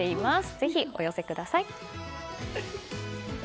ぜひお寄せください。